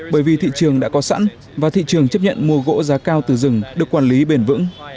bởi vì thị trường đã có sẵn và thị trường chấp nhận mua gỗ giá cao từ rừng được quản lý bền vững